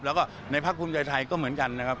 แล้วก็ในภาคภูมิใจไทยก็เหมือนกันนะครับ